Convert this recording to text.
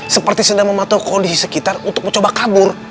seperti sedang memantau kondisi sekitar untuk mencoba kabur